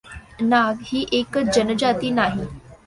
नाग ही एकच जनजाती नाही.